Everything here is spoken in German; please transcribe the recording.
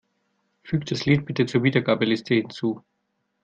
Füg das Lied bitte zur Wiedergabeliste hinzu.